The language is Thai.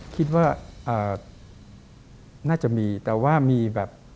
คิดว่าน่าจะมีแต่ว่ามีแบบ